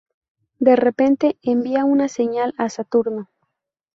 De repente, envía una señal a Saturno.